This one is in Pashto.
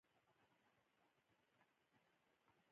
خوله مو بنده او چوپ واوسئ او سترګې مو خلاصې کړئ.